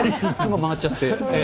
回っちゃって。